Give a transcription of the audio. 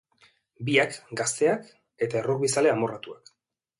Biak gazteak eta errugbizale amorratuak.